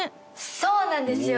そうなんですよ